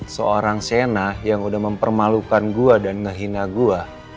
seorang sena yang udah mempermalukan gue dan ngehina gue